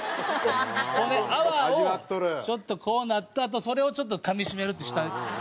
ほんで泡をちょっとこうなったあとそれをちょっとかみ締める。